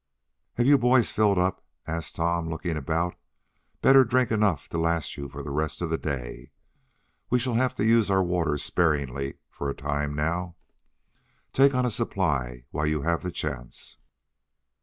"Have you boys filled up?" asked Tom, looking about. "Better drink enough to last you for the rest of the day. We shall have to use our water sparingly for a time now. Take on a supply while you have the chance."